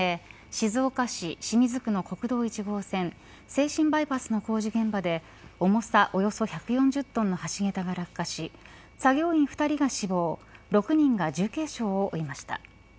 静岡市清水区の国道１号線静清バイパスの工事現場で重さおよそ１４０トンの橋桁が落下し作業員２人が死亡６人が重軽傷を負いました。